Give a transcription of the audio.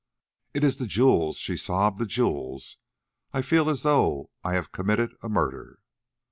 "It is the jewels," she sobbed, "the jewels; I feel as though I had committed a murder."